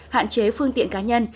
hạn chế phương tiện cá nhân